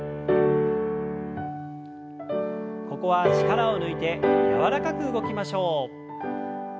ここは力を抜いて柔らかく動きましょう。